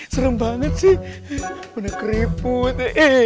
serem banget sih udah keriput